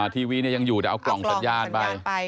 ทีวียังอยู่แต่เอากล่องสัญญาณไป